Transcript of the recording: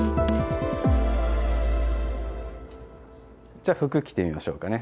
じゃあ服着てみましょうかね。